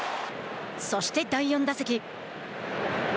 そして、第４打席。